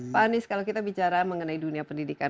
pak anies kalau kita bicara mengenai dunia pendidikan